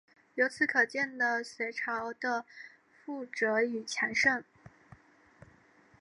由此可见的隋朝的富庶与强盛。